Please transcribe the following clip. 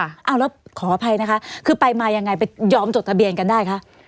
เอาแล้วขออภัยนะคะคือไปมายังไงไปยอมจดทะเบียนกันได้คะ